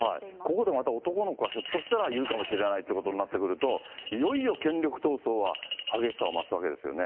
ここでまた男の子がひょっとしたらいるかもしれないということになってくると、いよいよ権力闘争は激しさを増すわけですよね。